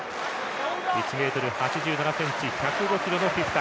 １ｍ８７ｃｍ１０５ｋｇのフィフィタ。